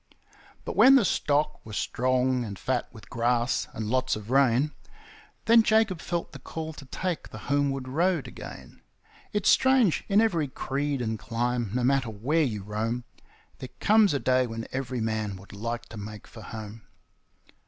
But when the stock were strong and fat with grass and lots of rain, Then Jacob felt the call to take the homeward road again. It's strange in every creed and clime, no matter where you roam, There comes a day when every man would like to make for home.